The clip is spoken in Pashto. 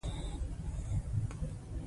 فاعل د جملې اصلي برخه ګڼل کیږي.